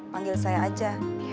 banggil saya aja